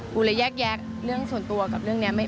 กูเลยแยกแยกเรื่องส่วนตัวกับเรื่องนี้